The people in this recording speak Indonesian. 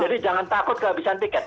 jangan takut kehabisan tiket